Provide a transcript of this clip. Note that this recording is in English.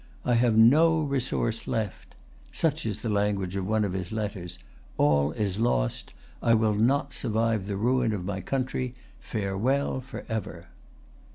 "I have no resource left"—such is the language of one of his letters—"all is lost. I will not survive the ruin of my country. Farewell forever."